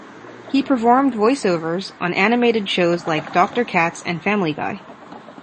He performed voiceovers on animated shows like Doctor Katz and Family Guy.